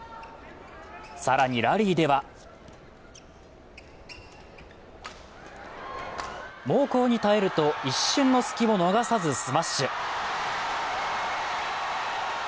更にラリーでは猛攻に耐えると一瞬の隙を逃さずスマッシュ。